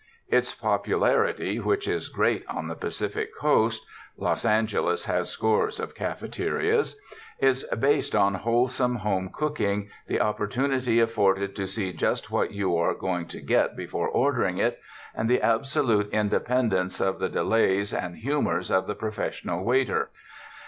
Its popularity, which is great on the Pacific Coast — Los Angeles has scores of cafeterias — is based on wholesome home cooking, the opportunity afforded to see just what you are going to get before ordering it, and the absolute inde pendence of the delays and humors of the profes sional waiter.